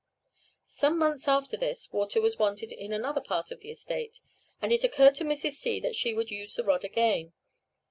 "Some months after this, water was wanted in another part of the estate, and it occurred to Mrs. C that she would use the rod again.